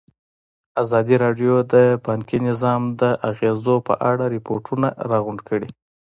ازادي راډیو د بانکي نظام د اغېزو په اړه ریپوټونه راغونډ کړي.